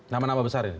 nama nama besar ini